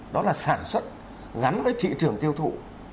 đó là sản xuất gắn với thị trường tiêu thụ